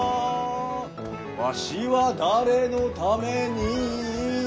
「わしは誰のために」